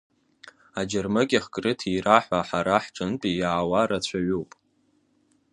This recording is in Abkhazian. Аџьармыкьахь крыҭира ҳәа ҳара ҳҿынтәи иаауа рацәаҩуп.